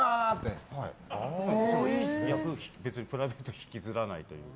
別に役をプライベートには引きずらないというか。